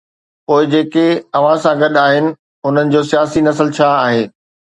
پوءِ جيڪي اوهان سان گڏ آهن انهن جو سياسي نسل ڇا آهي؟